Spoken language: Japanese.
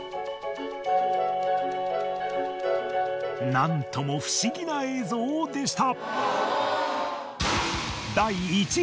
なんとも不思議な映像でした。